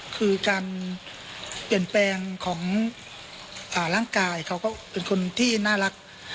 คือการเปลี่ยนแปลงของร่างกายเขาก็เป็นคนที่น่ารัก